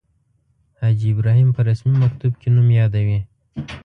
حاجي ابراهیم په رسمي مکتوب کې نوم یادوي.